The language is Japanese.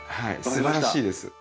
すばらしいです。